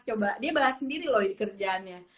coba dia bahas sendiri loh ini kerjaannya